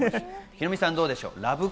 ヒロミさん、どうでしょう。